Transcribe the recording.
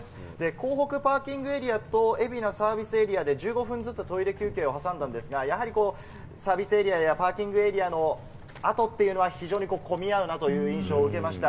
港北パーキングエリアと海老名サービスエリアで１５分ずつトイレ休憩を挟んだんですが、やはりサービスエリアやパーキングエリアの後っていうのは、非常に混み合うなという印象を受けました。